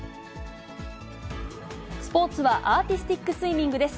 スポーツはアーティスティックスイミングです。